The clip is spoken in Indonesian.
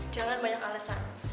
jangan banyak alesan